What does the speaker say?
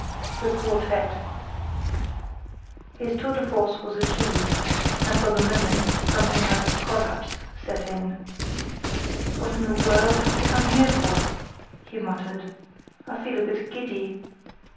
The Quartette His tour de force was achieved, and for the moment something like collapse set in. "What in the world have we come here for?" he muttered; "I feel a bit giddy."